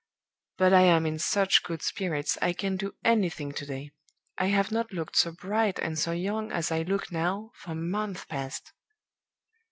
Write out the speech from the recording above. But I am in such good spirits, I can do anything to day. I have not looked so bright and so young as I look now for months past!